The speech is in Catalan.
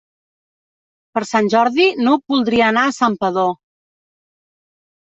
Per Sant Jordi n'Hug voldria anar a Santpedor.